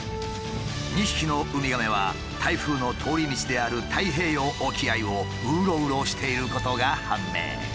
２匹のウミガメは台風の通り道である太平洋沖合をうろうろしていることが判明。